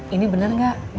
ini bener gak